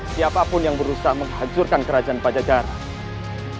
siapapun yang berusaha menghancurkan kerajaan pajajaran